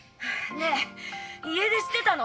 ねえ家出してたの？